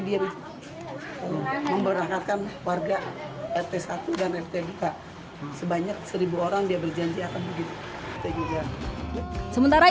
diri memberangkatkan warga rt satu dan rt dua sebanyak seribu orang dia berjanji akan begitu saya juga sementara